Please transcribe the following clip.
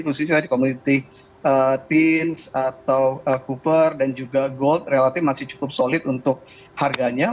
khususnya tadi komoditi teens atau cooper dan juga gold relatif masih cukup solid untuk harganya